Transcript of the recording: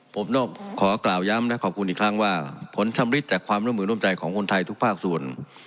ผมต้องขอกล่าวย้ำนะขอบคุณอีกครั้งว่าผลชำริดจากความร่วมมือร่วมใจของคนไทยทุกภาคส่วน